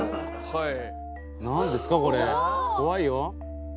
はい。